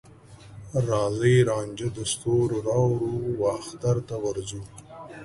راځې رانجه د ستوروراوړو، واخترته ورځو